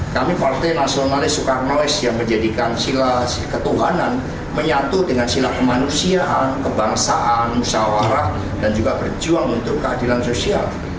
kami partai nasionalis soekarnois yang menjadikan sila ketuhanan menyatu dengan sila kemanusiaan kebangsaan musyawarah dan juga berjuang untuk keadilan sosial